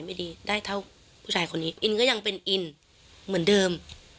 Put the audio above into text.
ไม่ดีได้เท่าผู้ชายคนนี้อินก็ยังเป็นอินเหมือนเดิม